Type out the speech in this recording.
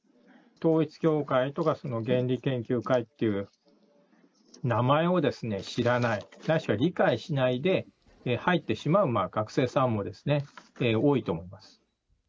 統一教会とか、原理研究会っていう名前を知らない、ないしは理解しないで入ってしまう学生さんも多いと思います。